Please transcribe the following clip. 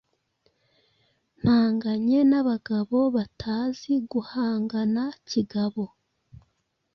mpanganye n’abagabo batazi guhangana kigabo